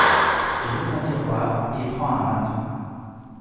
Il ouvre un tiroir et prend un marteau.